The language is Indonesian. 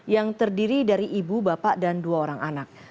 yang terdiri dari ibu bapak dan dua orang anak